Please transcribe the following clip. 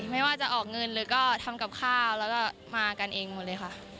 ไม่ว่าจะออกเงินหรือก็ทำกับข้าวแล้วก็มากันเองหมดเลยค่ะ